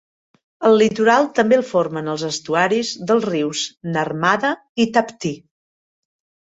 El litoral també el formen els estuaris dels rius Narmada i Tapti.